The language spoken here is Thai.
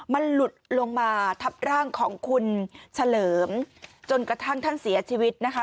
มันหลุดลงมาทับร่างของคุณเฉลิมจนกระทั่งท่านเสียชีวิตนะคะ